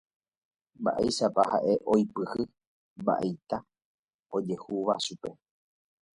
mba'éichapa ha'e oipyhy mba'eita ojehúva chupe